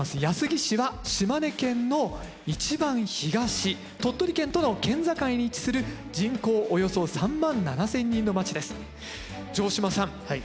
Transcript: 安来市は島根県の一番東鳥取県との県境に位置する人口およそ３万７，０００人の町です。